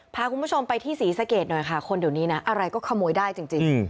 พาคุณผู้ชมไปที่ศรีสะเกดหน่อยค่ะคนเดี๋ยวนี้นะอะไรก็ขโมยได้จริง